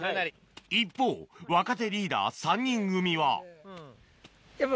一方若手リーダー３人組はやっぱ。